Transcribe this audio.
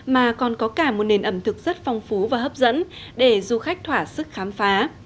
mà còn có cả một nền ẩm thực rất phong phú và hấp dẫn để du khách thỏa sức khám phá